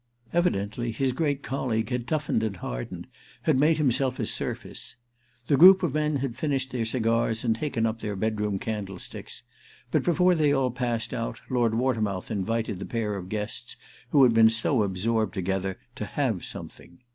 Evidently his great colleague had toughened and hardened—had made himself a surface. The group of men had finished their cigars and taken up their bedroom candlesticks; but before they all passed out Lord Watermouth invited the pair of guests who had been so absorbed together to "have" something.